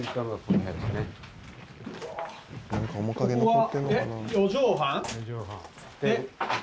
「なんか面影残ってるのかな？」